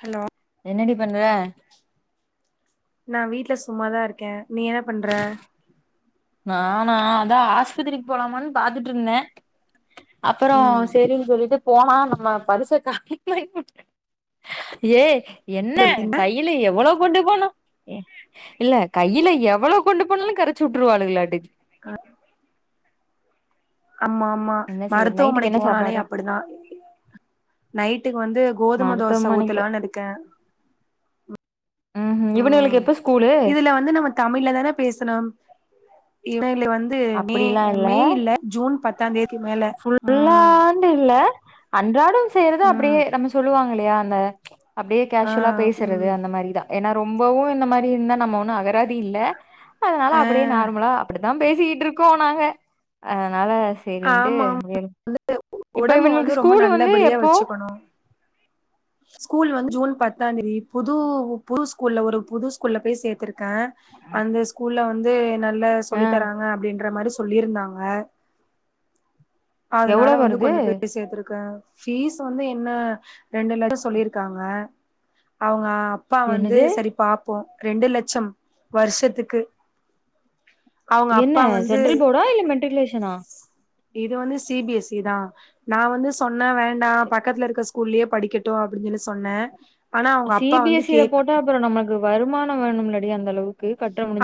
Hello பண்வ நா வீட்டு்ல சும்மாதான் இருக்கேன் நீ என்ன பண்ற நானா அதான் ஆஸ்பத்திரிக்கு போலாமான்னு பார்த்துட்டு இருந்தேன் அப்புறம் ம் செரின்னு சொல்லிட்டு போனா நம்ம பர்சக்கா ஏ என்ன கையில எவ்ளோ கொண்டு போன இல்ல கையில எவ்ளோ கொண்டு போணாலு கரைச்சு விட்டுருவாளுகளா டி ஆ ஆமா ஆமா என்ன செய்ய நைட்டுக்கு மருத்துவமனைக்கு என்ன போனாலே சாப்பாடு அப்படிதான் நைட்டுக்கு வந்து கோதுமை தோசை மருத்துவமனைக்கு ஊத்தலாம்னு இருக்கேன் ம் ம் ம் இதுல வந்து நம்ம தமிழ்ல தான பேசணும் எப் முன்னேல வந்து மே மே இல்ல ஜூன் பத்தாம் தேதி மேல ம் அன்றாட செய்யறது ம் அப்படியே நம்ம சொல்லுவாங்க இல்லையா அந்த அப்படியே ஆ கேஷுவலா பேசுறது ம் அந்த மாரி தான் ஏனா ரொம்பவும் இந்த மாதிரி இருந்தா நம்ம ஒண்ணும் அக ராதி இல்ல அதனால ஆ அப்படியே நார்மலா அப்படி நா பேசிட் இருக்கோ நாங்க அதனால செரின்ட் வேற ஒடம்ப வந்து ரொம்ப நல்லபடியா வச்சிக்கணு. ஸ்கூல் வந்து ஜூன் பத்தாந் தேதி புது புது ஸ்கூல்ல ஒரு புது ஸ்கூல்ல போய் சேத்திருக் க. அந்த ஸ்கூல்ல வந் து நல்ல ஆ சொல்லி தராங்க அப்டின்ற மாரி சொல் சொல்லிருந்தாங்க எவ்ளோ அதனால வந்து வருது? கொண்டு போய் சேத்ருக்கே. பீஸ் வந்து என்ன ரெண்டு லெட சொல்லிருக்காங்க. அவங்க அப் அப்பா வந்து என்னது? சரி பாப்போ ரெண்டு லட்சம் வருஷத்க்கு என்ன சென்ட்ரல் போர்டா? இல்ல மெட்ரிகுலேஷ ஷனா? இது வந்து சி பி எஸ் சி-தா. நா வந்து சொன் ன்ன வேண்டா பக்கத்ல இருக்க ஸ்கூ ஸ்கூல்லயே படிக்கட்டும் அப்டின் சொ சி பி எஸ் சி-ல போட்டா அப்றோ நமக்கு வருமான வேணுமில்ல அந்தளவு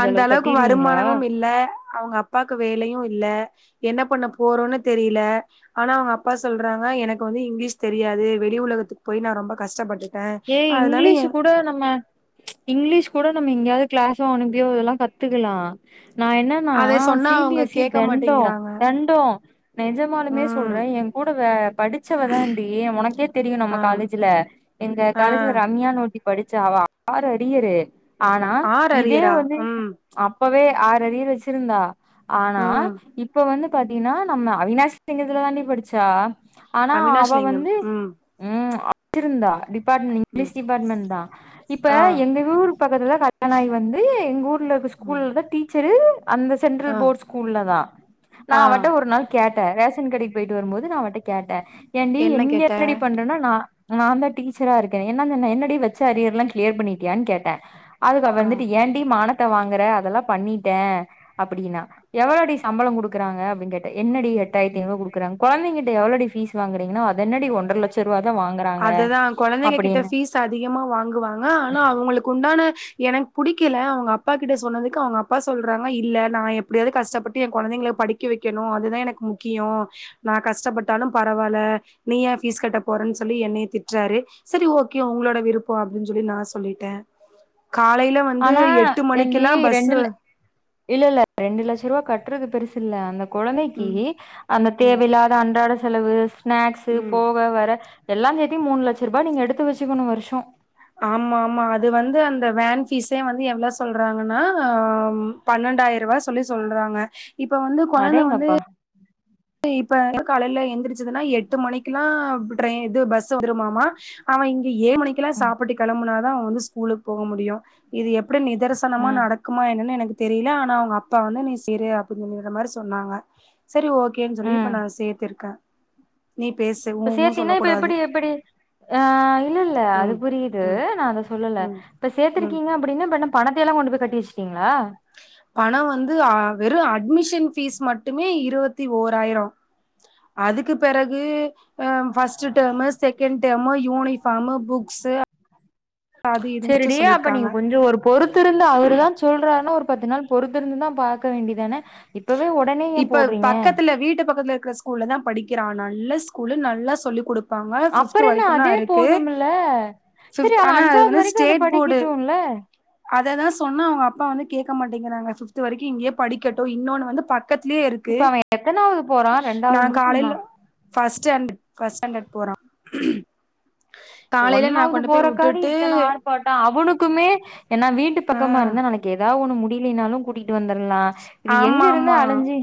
அந்த அளவுக்கு வருமானமு இல்ல, அவங்க அப்பாக்கு வேலையும் இல்ல. என்ன பண்ண போறோன்னு தெரியல. ஆனா அவங்க அப்பா சொல்றாங்க எனக்கு வந்து இங்கிலீஷ் தெரியாது, வெளி உலகத்துக்கு போய் நா ரொம்ப கஷ்டப்பட்டுட் ஏ இங்கிலீஷ் கூட நம்ம இங்கிலீஷ் கூட நம்ம எங்யாது க்ளாஸோ அனுப்பியோ இதல்லா கத்துக்கலா நா என்னன்னா அத சொன்னா சி பி அவங்க எஸ் சி கேக்க தெண்டோ மாட்டேங்கிறாங்க தெண்டோ நெஜமாலுமே ம் சொல்ற ஏங்கூட வே படிச்சவதாண்டி உனக்கே தெரியு நம்ம ஆ காலேஜ்ல எங்க ஆ காலேஜ்ல ரம்யானு ஒருத் தி படிச்சா அவ ஆறு அரியது ஆனா ஆர் இதே அரியரா வந்து அப் ம் அப்பவே ஆற் அரியர் வச்சிருந்தா ஆனா ம் இப்ப வந்து பாத்தீன்னா நம்ம அவினாசிலிங்கத்ல தாண்டி படிச்சா ஆனா அவினாஷ் அவ லிங்கம் வந்து ம் ம் திருந்தார் பார்ட்மெண்ட் ம் இங்கிலீஷ் டிபார்ட்மெண்ட் தா இப்ப ஆ எங்க ஊர் பக்கத்துல [unintelligible] நாய் வந்து எங்க ஊர் ஊர்லருக்க ஸ்கூல் ம் தா டீச் [unintelligible] அந்த ஆ சென்ட்ரல் போர்ட் ஸ்கூல்ல தா நா ஆ அவட்ட ஒரு நாள் கேட் த ரேஷன் கடைக்கு போயிட்டு வரும்போது நா அவட்ட கேட்ட ஏண்டி என்ன எங்க கேட்ட ரெடி பண்றனா நா நான் தட் டீச்சராருக்கே என்னனுன்ன என்னடி வெச்ச அரியெர்ல்லா கிளியர் பண்ணிட்டியான் கேட்ட அதுக்கு அவ ஆ வந்துட்டு ஏண்டி மானத் த்த வாங்குற அதெல்லா பண்ணிட்டே அப்டின்னா எவ்வளோடி சம்பளோ குடுக்குறாங்க அப்டின்னு கேட்ட என்னடி எட்டாயிரத்தி ஐனூருவா குடுக்குறாங் கொழந்தைங்கிட்ட எவ்ளோடி ஃபீஸ் வாங்கிறீங்கனா அதென்னடி ஒன்டற்லட்சருவாத் வாங்குறாங்க அதுதான் கொழந்தைங்க கிட்ட ஃபீஸ் அதிகமா வாங்குவாங்க ஆனா அவங்களுக்கு உண்டான எனக் புடிக்கல அவுங்க அப்பா கிட்ட சொன்னதுக்கு அவுங்க அப்பா சொல்றாங்க இல்ல நா எப்படியாது கஷ்டப்பட்டு எ கொழந்தைங்கள படிக்க வைக்கணு அதுதா எனக்கு முக்கியோ நா கஷ்டப்பட்டாலு பரவால்ல நீயா ஃபீஸ் கட்ட போறன் ஸ் சொல்லி என்னைய திட்டறாரு செரி ஓகே உங்களோட விருப்போ அப்டின் சொல்லி நா சொல்லிட்ட ஆனா எண்டி பஸ்ஸு ரெண்டுல இல்ல இல்ல ரெண்டு லட்சரூவா கட் ற்றது பெருசில அந்த கொழந்தைக்கு ம், அந்த ம், தேவல்லாத அன்றாட சலபெஸ் ஸ்நாக்ஸு ம். போக வர எல்லா சேத்தி மூணு லட்சரூபா நீங்க எடுத்து வெச்சிக்கனு வருஷ ஆமாம்மா அது வந்து அந்த வேன் ஃபீஸே வந்து எவ்ளோ சொல்றாங்கன்னாஹ ஆ பன்னெண்டாயிரூபா சொல்லி சொல்றாங்க இப்ப வந்து கொழந்த வந்து அடேங்கப்பா இப்ப காலைல எழுந்திரிச்சதுன்னா எட்டு மணிக்குல்லா ட்ரே இது பஸ்ஸு வந்துருமாமா அவ இங் ஏ மணிக்குல்லா ம் சாப்புட்டு கெளம்புனா அவ வந்து ஸ்கூலுக்கு போக முடியு இது எப்ப படி நிதர்சனமா ம் நடக்குமா என்னன்னு எனக்குத் தெரியல ஆனா அவங்க அப்பா வந்து நீ [unintelligible] மாரி சொன்னாங்க சரி ஓகே கேம் சொல்லி இப்ப ம் நா சேர்த்திருக்கே இப்ப சேத்தீன்னா இப்ப கூடாது எப்படி எப்படி ஆ இல்லல்ல அது ம் புரியிது ம் நா அத சொல்லல ம் இப்ப சேத்திருக்கீங்க அப்படின்னா பண்ணப் பணத்தி எல்லா கொண்டு போய் கட்டி வச்டிங் பண வந்து அ வெறு அட் ம்மிஷன் ஃபீஸ் மட்டுமே இருவத்தி ஓராயிரோ அதுக்கு பெறகு அ first term second term uniform books சேரிடி அப்ப நீங் ஒரு கொஞ்ச ஒரு பொறுத்திருந்து அவருதா சொல்றாருனு ஒரு பத்து நாள் பொறுத்திருந்துதா பாக்க வேண்டிதானே இப்ப பக்கத்துல வீட்டு பக்கத்துல இருக்கிற ஸ்கூல்லதா படிக்கிறானா நல்ல ஸ்கூலு நல்லா சொல்லி குடுப் அப்பற என்ன அதே போதுமல்ல செரி ஃபிப்த் அவ ஆனா அது அஞ்சாவது வந்து வரைக்கு அத படிக்கட்டுல்ல அதேதா சொன்னா அவுங்க அப்பா வந்து கேக்க மாட்டேங்குறாங்க ஃபிப்த் வரைக்கு இங்யே படிக்கட்டு இன்னோனு வந்து பக் இப்ப அவ எத்தனாவது போறா ரெண்டாவது முடிச்சு மூனா ச்சு ஃபர்ஸ்ட் ஸ்டாண்டர்ட் போறா ஒன்னாவது போறக்காடி இத்தன ஆர்ப்பாட்ட அவனுக்குமே என்னா வீட்டு ஆ பக்கமா இருந்தா நாளைக்கு எதா ஒன்னு முடி லினாலு கூட்டி ட்டு வந்துர்லா இது எங்க ஆமா இருந்து ஆமா அலஞ்சு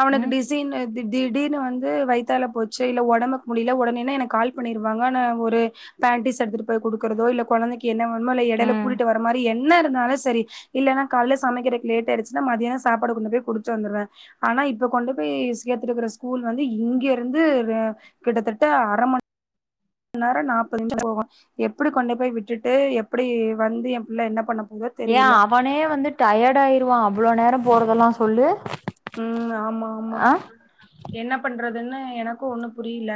அவனுக்கு டிசினு திடீர்னு வந்து வைத்தால போச்சு இல்ல ஒடம்புக்கு முடில உடனேன எனக்கு கால் பண்ணிருவாங்க நா ஒரு பேண்டீஸ் எடுத்துட்டு போய் குடுக்கறதோ இல்ல கொழந்தைக்கு என்ன எடைல ம் கூட்டிட்டு வர மாறி என் என்ன இருந்தாலு சரி இல்லன்னா கால்லே சமக்கிறக்கு லேட் ஆயிடுச்சுன்னா மதியான சாப்பாடு கொண்டு போய் குடித்துட்டு வந்துருவே ஆனா இப்ப கொண்டு போய் சேத்துருக்கற ஸ்கூல் வந்து இங்க இருந்து கிட்டத்தட்ட அரமண் நேர நாப்பது நிமிஷம் போகு எப்புடி கொண்டு போய் விட்டுட்டு எப்டி வந்து எ புள்ள என்ன பண்ண போதோ ஏ தெரியல அவனே வந்து டயர்ட் ஆயிருவா இவ்ளோ நேர போறதல்லா சொல்லு ம் ஆமா ஆமா ஆ என்ன பண்றத் துன்னு எனக்கு ஒன்னு புரிய்ல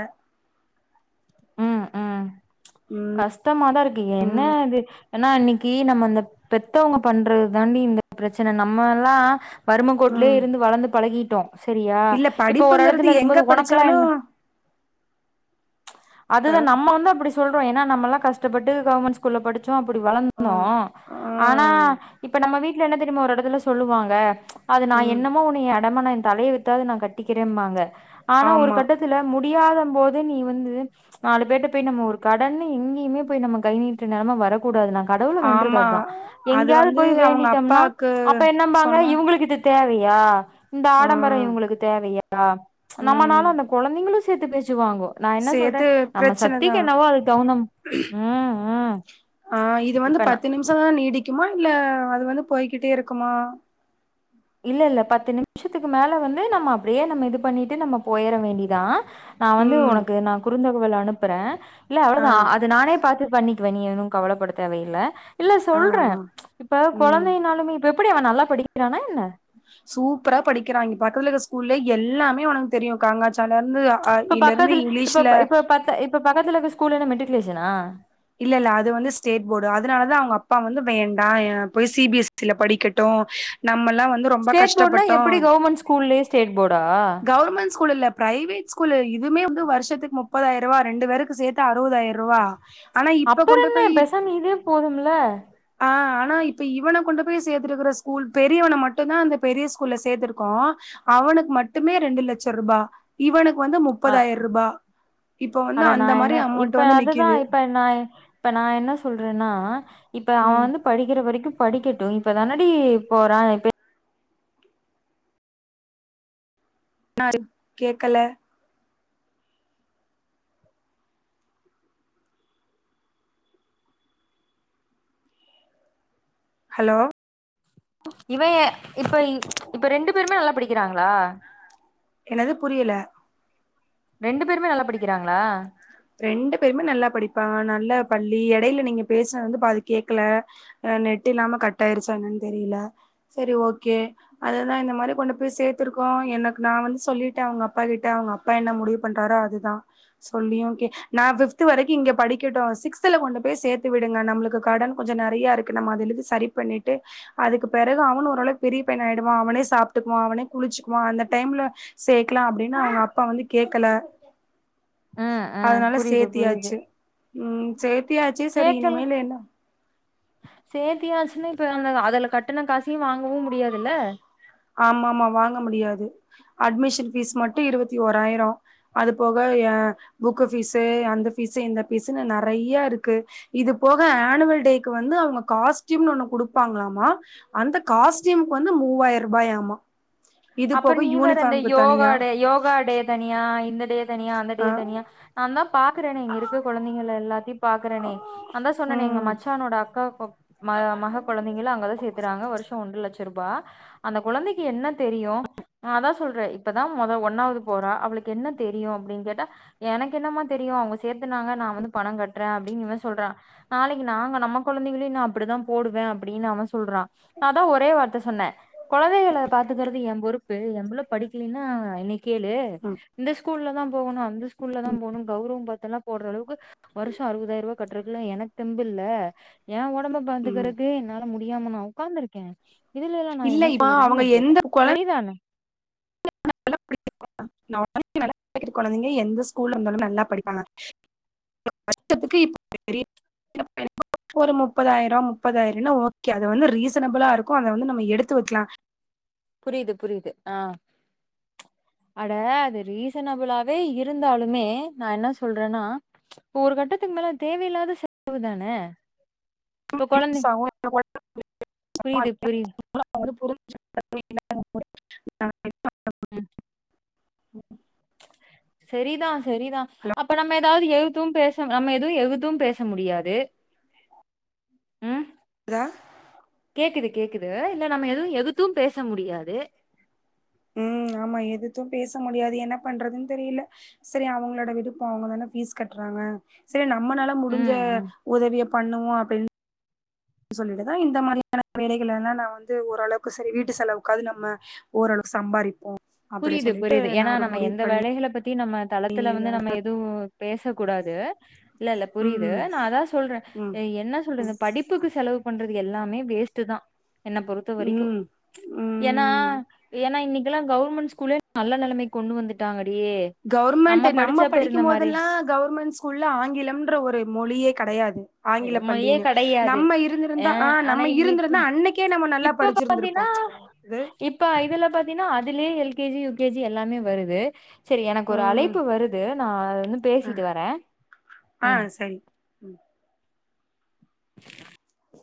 ம் ம் கஸ்ட்டமாதா இருக்கு என்ன இது ஏன்னா இன்னிக்கி நம்ம அந்த இந்த பெத்தவ்ங்க பண்றது தாண்டி இந்த ப்ரச்சன நம்மல்லா வருமக்கோட்லயே ம் இருந்து வளர்ந்து பழகிட்டோ சரியா இல்ல இப்ப ஒரு படிப்புங்கிறது எடத்துல எங்க இருக்கும்போது ஒனக்குலா படிச்சாலு என்ன இப்ப அதுதா நம்ம வந்து அப்டி சொல் ப்போ ஏன்னா நம்மல்லா கஸ்ட்டப்பட்டு கவ்மண்ட் ஸ்கூல்ல படி சோ அப்புடி வளர்ந்தோ ம் ஆனா ம் இப்ப நம்ம வீட் என்ன தெரியுமோ ஒரு எடத்துல சொல்லுவாங்க அது நா ம் என்னமோ உன்னிய அடமனன் தலைய வித்தாவ்து நா கட்டிக்கிறேம்பாங்க ஆனா ஒரு ஆமா கட்டத்துல முடியாத கும் போது நீ வந்து நாலு பேருட்ட போய் நம்ம ஒரு கடன்னு எங்கியுமே போய் நம்ம கை நீட்டு நெலம வரக்கூடாதுனா கடவுள வேன்றது ஆமா அத்தா அது எங்யாவ்து வந்து போய் அவங்க வேண்டிட்டம்னா அப்பாக்கு அப்ப என்னம்பாங்க சொன்னா இவுங்ளுக்கு இது தேவை யா இந்த ஆ ஆடம்பரோ இவுங்ளுக்கு தேவயா ம் நம்மனால அந்த கொழந்தைங்களு த்துட்டு பே ட்டுவாங்கோ நா என்ன சொல்றே சேத்து நம்ம சத்தி பிரச்சனதா கே ம் ஆ இது வந்து இப்ப நா பத்து நிமிஷந்தா நீடிக்குமா இல்ல அது வந்து போய்கிட்டே இருக்குமா இல்ல இல்ல பத்து நிமிஷத்துக்கு மேல வந்து நம்ம அப்படியே நம்ம இது பண்ணிட்டு நம்ம போயற வேண்டிதா நா வந்து ம் உனக்கு நா குருத குவல அனுப்புற இல்ல ஆ அவ்வளோதா அது நானே பாத்து பண்ணி வனின்னு கவலப்பட தேவையில்ல இல்ல ஆ ஆ சொல்றே இப்ப ம் குழந்தைனாலுமே இப்ப அப்டி அவ நல்லா படிக்கிறானா என்ன சூப்பரா படிக்கிறா பக்கத்துல இருக்க ஸ்கூல்லே எல்லாமே உனக்கு தெரியு காங்க இப்ப பக்கத்து இப்பப் இப்ப ப இப்ப பக்கத்துல ஸ்கூல் என்ன மட்டு குலேஷனா இல்ல இல்ல அது வந்து ஸ்டேட் போர்டு அதனாலதா அவங்க அப்பா வந்து வேண்டா போய் சி பி எஸ் சில படிக்கட்டு நம்மள் ஸ்டேட் போர்ட்னா எப்டி கவுவர்மெண்ட் ஸ்கூல்லயே ஸ்டேட் போடா ப்ரைவேட் ஸ்கூலு இதுவுமே வந்து வருஷத்துக்கு முப்பதாய்ரூவா ரெண்டு பேருக்கு சேர்த்து அறுபதாயிரூவா அப்புற என்ன பெசாம இதே போதும்ல ஆ இப்ப இவன கொண்டு போய் சேத்திருக்க ஸ்கூல் பெரிய மட்டுந்தா அந்த பெரிய ஸ்கூல சேத்திருக்கோ அவனுக்கு மட்டுமே ரெண்டு லட்சரூபா இவனுக் வந்து அ முப்பதாய்ரூபா இப்ப வந்து அட நா அந்த என்ன மாரி இப்ப அமௌண்ட்டு வந்து அதுதா நிக்குது இப்ப நா இப்ப நா என்ன சொல்றனா இப்ப அவ ம் வந்து படிக்கிற வரைக்கு படிக்கட்டும் இப்ப தானடி போறா இது இன்னா கேக்கல ஹலோ இவ ஏ இப்ப இப்ப ரெண்டு பேருமே நல்லா படிக்கிறாங்களா என்னது புரியல ரெண்டு பேருமே நல்லா படிக்கிறாங்களா ரெண்டு பேருமே நல்லா படிப்பாங்க நல்ல பள்ளி எடையில நீங்க பேசுனது வந்து பாதி கேக்கல நெட்டு் இல்லாம கட் ஆயிருச்சா என்னன்னு தெரியல சரி ஓகே அதுதா இந்த மாரி கொண்டு போய் சேத்துருக்கோ எனக்கு நா வந்து சொல்லிட்டே அவங்க அப்பா கிட்ட அவங்க அப்பா என்ன முடிவு பண்றாரோ அதுதா சொல்லியு கே நா ஃபிப்த்து வரைக்கி இங்க படிக்கட்டு சிக்ஸ்துல கொண்டு போய் சேத்தி விடுங்க நம்மளுக்கு கடன் கொஞ்ச நெறைய இருக்கு நம்ம அதுலிந்து சரி பண்ணிட்டு அதுக்கு பிறகு அவனு ஓரளவுக் பெரிய பையனாயிடுவா அவனே சாப்ட்டுக்குவா அவனே குளிச்சுக்குவா அந்த டைம்ல சேக்கலா அப்படின்ன அவங்க அப்பா வந்து கேக்கல ஆ அதனால சேத்தியாச்சு ம் சேத்தியாச்சி சரி கேக்கல இனிமேலு என்ன சேத்தியாச்சுன்னா இப்ப அந்த அதுல கட்டுன காசையு வாங்கவு முடியாதுல்ல ஆமாமா வாங்க முடியாது அட்மிஷன் பீஸ் மட்டு இருவத்தி ஓராயிர அது போக ஏ புக்கு பீஸ்ஸு அந்த பீஸ்ஸு இந்த பீஸ்ஸுன்னு நெறைய இருக்கு இது போக ஆனுவல் டேக்கு வந்து அவங்க காஸ்ட்டியூம்னு ஒண்ணு குடுப்பாங்களாமா அந்த காஸ்ட்டியூம்க்கு வந்து மூவாயிர ருபாயாமா அப்பற நீ வேற அந்த யோகா டே யோகா டே தனியா இந்தடே தனியா அந்த டே ஆ தனியா நா தா பாக்கறேனே இங்கருக்கு கொழந்தைங்கள எல்லா எல்லாத்திப் பாக்கறேனே நா தா சொன்னனே எங்க ம் மச்சானோட அக்கா கொ ம மக கொழந்தைங்கள அங்கதா சேத் துறாங்க வருஷோ ஒன்றலட்ச ரூபா அந்த கொழந்தைக்கி என்ன தெரியு நா அதா சொல்றே இப்பதா மொத ஒன்னாவது போறா அவளுக்கு என்ன தெரியு அப்டின் கேட்டா எனக்கென்னமா தெரியு அவங்க சே சேத்தனாங்க நா வந்து பணங்கட்றே அப்டின்னு இவ சொல்றா நாளைக்கி நாங்க நம்ம கொழந்தைகளையு நா இப்பிடிதா போடுவே அப்டின்னு அவே சொல்றா நா அதா ஒரே வார்த்த சொன்னே கொழந்தைகள பார்த் கிறது எம் பொறுப்பு எம்புள்ள படிக்கிலேன்னா என்னை கேளு ம் இந்த ஸ்கூல்ல தா போணு அந்த ஸ்கூல்ல தா போணுன் கௌரவோம் பாத்தெல்லா போடுற அளவுக்கு வருஷோ அறுவதாயிரூபா கட்றக்கில்லா எனக் தெம்புல்ல ஏ ஒடம்ப ம் பாத்துக்கறதே என்னால முடியாம நா உ உக்காந்துருக்கே இதுலயா நா இல்ல என்ன இப்ப செய்யறதுனு அவங்க நா கேட்டே எந்த கொழந்தைங்க சரிதானே [unintelligible] நல்லா படிக்கிற கொழந்தைங்க எந்த ஸ்கூல்ல இருந்தாலுமே நல்லா படிப்பாங்க வருஷத்துக்கு [unintelligible] ஒரு முப்பதாயிர முப்பதாயிரன்னா ஓகே அது வந்து ரீசனபிளா இருக்கு அத வந்து நம்ம எடுத்து வக்கலா புரியுது புரியுது ஆஹ அட அது ரீசனபிளாவே இருந்தாலுமே நா என்ன சொல்றேன்னா இப்ப ஒரு கட்டத்துக்கு மேல அது தேவையில்லாத செலவு தானே [unintelligible] புரிஞ் புரியுது புரியுது [unintelligible] ம் [unintelligible] ம் செரிதா செரிதா புரிஞ்சுக்கலாம் அப்ப நம்ம ஏதாவது எழுதும் பேச து நம்ம எதுவு எதுத்து பேச முடியாது ம் குதா கேக்குது கேக்குது இல்ல நம்ம எதுவு எதுத்து பேச முடியாது ம் ஆமா எதுத்து பேச முடியாது என்ன பண்றதுன் தெரியில செரி அவங்களோட விருப்போ அவுங்கதான ஃபீஸ் கட்றாங்க செர் ந ம்மனால முடிஞ்ச ம் ம். உதவிய பண்ணுவோ அப்டின் சொல்லிட்டுதா இந்த மாரியான வேலைகள் எல்லா நா வந்து ஓரளவுக்கு செரி வீட்டு செலவுக்காது நம்ம ஓரளவுக் சம்பாரிப்போ புரியிது புரியிது ஏன்னா நம்ம எந்த வேலைகள பத் த்தி நம்ம தளத்துல வந்து நம்ம எதுவு பேச கூடாது இல்ல ல்ல புரியுது ம் நா அதா சொல்றே ம் அ என்ன சொல்றது படிப்புக்கு செலவு பண்ற து எல்லாமே வேஸ்ட்டு தா என்ன பொறுத்த ம் வரிக்கு ம் ச்ச் ஏன்னா ம் ஏன்னா இன்னிக் லா கவுர்மெண் ஸ்கூலே நல்ல நெலமைக் கொண்டு வந்துட்டாங்க கவுர்மெண்ட்டு நம்ம படிக்கும் மாதிரி போதெல்லா கவுர்மெண் ஸ்கூல்ல ஆங்கிலம்ன்ற ஒரு மொழியே கெடையாது ஆங்கில ம்மையே பள்ளின்னு கெடையாது நம்ம அ இருந்திருந்தா ஆ ஆனா நம்ம இப்ப இப்ப இருந்திருந்தா அன்னைக்கே நம்ம நல்லா இப்ப பாத்தீன்னா படிச்சிருந்திருப்போ இது இப்ப இதுல பாத்தீன்னா அதுல்யே எல் கேஜி யூகேஜி எல்லாமே வருது செரி எனக்கொரு ம் அழைப்பு வருது நா வந் ஆ பேசிட்டு வரே ஆ ம் சரி ம்